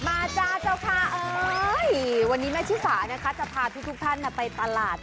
มาจ้าเจ้าค่ะวันนี้แม่ชิฟาจะพาทุกท่านไปตลาด